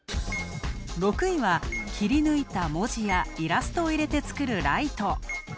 ６位は切り抜いた文字やイラストを入れて作るライト。